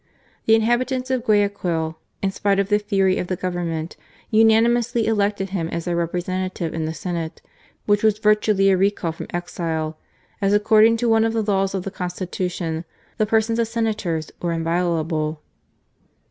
The inhabi tants of Guayaquil, in spite of the fury of the Government, unanimously elected him as their representative in the Senate, which was virtually a recall from exile, as, according to one of the laws of the Constitution, the persons of senators were inviolable.